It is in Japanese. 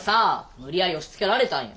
無理やり押しつけられたんや。